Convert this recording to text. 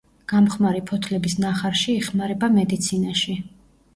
გამხმარი ფოთლების ნახარში იხმარება მედიცინაში.